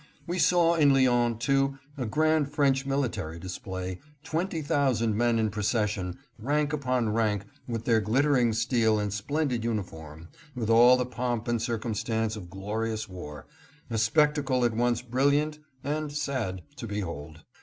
We saw in Lyons, too, a grand French military display, twenty thousand men in procession, rank upon rank with their glittering steel and splendid uniform, with all the pomp and circumstance of glorious war, a spec tacle at once brilliant and sad to behold.